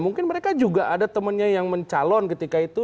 mungkin mereka juga ada temannya yang mencalon ketika itu